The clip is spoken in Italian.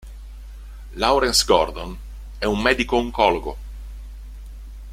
Lawrence Gordon è un medico oncologo.